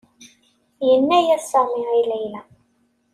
Yenna-as Sami i Layla.